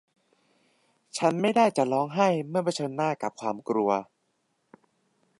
ฉันไม่ได้จะร้องไห้เมื่อเผชิญหน้ากับความกลัว